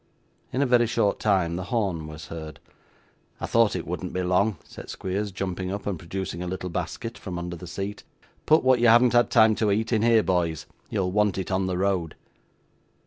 In a very short time, the horn was heard. 'I thought it wouldn't be long,' said Squeers, jumping up and producing a little basket from under the seat; 'put what you haven't had time to eat, in here, boys! You'll want it on the road!